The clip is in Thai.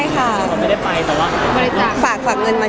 พี่เอ๊ยฮะพี่เอ๊ยฮะ